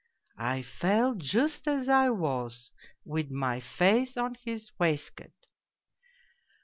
" I fell just as I was, with my face on his waistcoat.